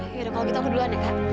yaudah kalau gitu aku duluan ya kak